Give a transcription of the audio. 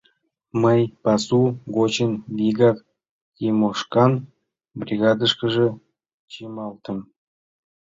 Мый пасу гочын вигак Тимошкан бригадышкыже чымалтым.